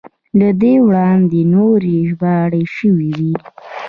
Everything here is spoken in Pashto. له دې وړاندې نورې ژباړې شوې وې.